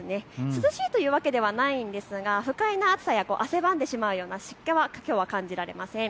涼しいというわけではないんですが不快な暑さや汗ばんでしまうような湿気は感じられません。